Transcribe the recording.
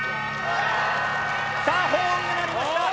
さあホーンが鳴りました。